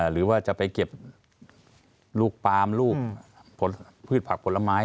หรือว่าจะไปเก็บลูกปามลูกผลพืชผักผลไม้